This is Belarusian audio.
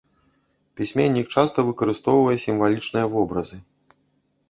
Пісьменнік часта выкарыстоўвае сімвалічныя вобразы.